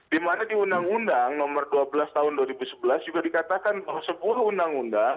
dimana di undang undang nomor dua belas tahun dua ribu sebelas juga dikatakan bahwa sebuah undang undang